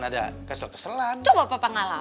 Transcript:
ada kesel keselan coba papa ngalah